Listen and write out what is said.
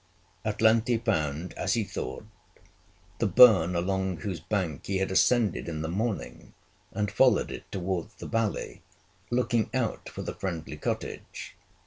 At length he found, as he thought, the burn along whose bank he had ascended in the morning, and followed it towards the valley, looking out for the friendly cottage.